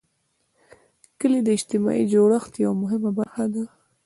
کلي د اجتماعي جوړښت یوه مهمه برخه ده.